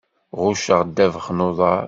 Ɣucceɣ ddabex n uḍaṛ.